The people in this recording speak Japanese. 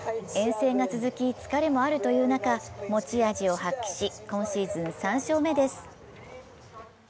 遠征が続き疲れもあるという中、持ち味を発揮し、今シーズン３勝目です。